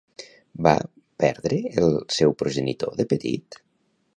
Va perdre el seu progenitor de petit?